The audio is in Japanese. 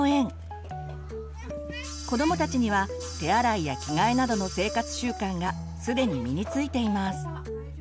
子どもたちには手洗いや着替えなどの生活習慣がすでに身についています。